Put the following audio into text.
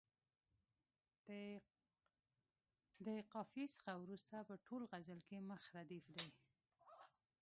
د قافیې څخه وروسته په ټول غزل کې مخ ردیف دی.